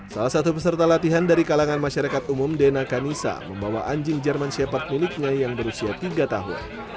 salah satu peserta latihan dari kalangan masyarakat umum dena kanisa membawa anjing german shepherd miliknya yang berusia tiga tahun